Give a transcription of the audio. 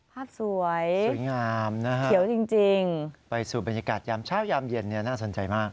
ภาพสวยเขียวจริงสวยงามไปสู่บรรยากาศย้ำเช้าย้ำเย็นน่าสนใจมาก